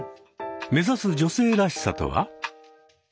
目指す女性らしさとは？